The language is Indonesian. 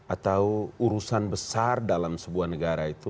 atau urusan besar dalam sebuah negara itu